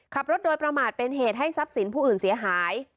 ขับรถโดยประมาทเป็นเหตุให้ทรัพย์สินผู้อื่นเสียหาย